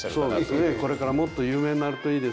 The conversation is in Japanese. これからもっと有名になるといいですね。